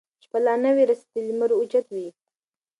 شپه لا نه وي رسېدلې لمر اوچت وي